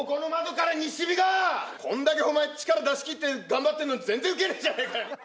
こんだけお前力出しきって頑張ってるのに全然ウケねえじゃねえかよ！